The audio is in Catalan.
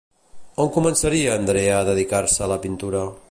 On començaria Andrea a dedicar-se a la pintura?